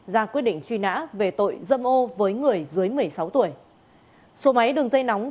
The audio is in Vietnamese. ra quyết định truy nã về tội dâm ô với người dưới một mươi sáu tuổi